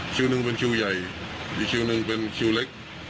หนึ่งเป็นคิวใหญ่อีกคิวหนึ่งเป็นคิวเล็ก